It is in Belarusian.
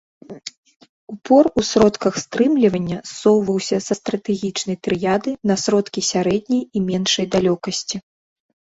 Упор у сродках стрымлівання ссоўваўся са стратэгічнай трыяды на сродкі сярэдняй і меншай далёкасці.